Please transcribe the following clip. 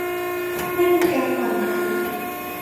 ไม่มีการผ่อนผัน